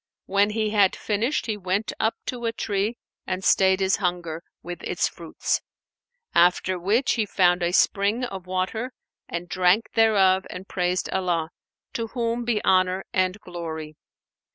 When he had finished, he went up to a tree and stayed his hunger with its fruits; after which he found a spring of water and drank thereof and praised Allah, to whom be honour and glory!